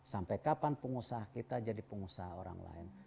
sampai kapan pengusaha kita jadi pengusaha orang lain